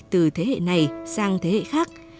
từ thế hệ này sang thế hệ khác